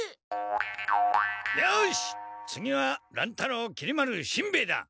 よし次は乱太郎きり丸しんべヱだ。